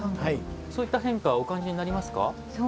そういった変化はお感じになりますか？